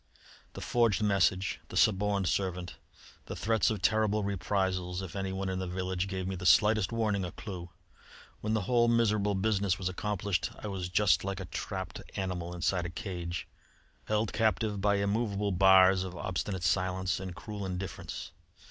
"The forged message, the suborned servant, the threats of terrible reprisals if anyone in the village gave me the slightest warning or clue. When the whole miserable business was accomplished, I was just like a trapped animal inside a cage, held captive by immovable bars of obstinate silence and cruel indifference.